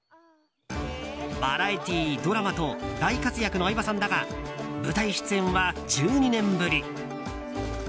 バラエティー、ドラマと大活躍の相葉さんだが舞台出演は、１２年ぶり。